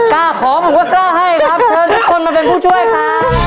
กล้าขอผมก็กล้าให้ครับเชิญทุกคนมาเป็นผู้ช่วยครับ